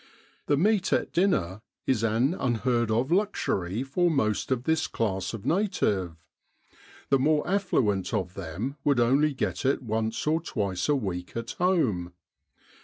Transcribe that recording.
The meat at dinner is an unheard of luxury for most of this class of native ; the more affluent of them would only get it once or twice a week at home.